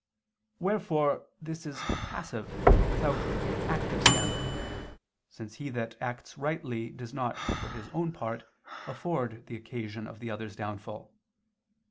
Wherefore this is "passive," without "active scandal," since he that acts rightly does not, for his own part, afford the occasion of the other's downfall.